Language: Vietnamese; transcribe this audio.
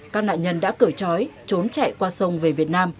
các nạn nhân đã cởi trói trốn chạy qua sông về việt nam